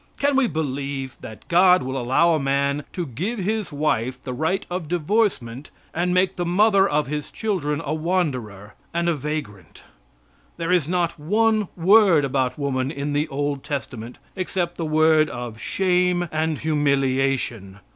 Can we believe that God will allow a man to give his wife the right of divorcement and make the mother of his children a wanderer and a vagrant. There is not one word about woman in the Old Testament except the word of shame and humiliation.